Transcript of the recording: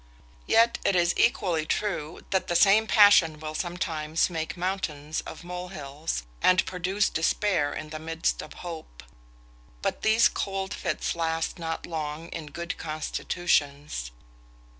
Yet it is equally true, that the same passion will sometimes make mountains of molehills, and produce despair in the midst of hope; but these cold fits last not long in good constitutions.